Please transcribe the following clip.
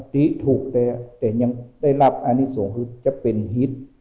ที่ถูกแต่ยังได้รับอันนี้ส่งคือจะเป็นฮิต